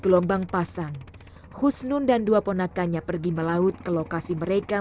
langsung pada rusak semua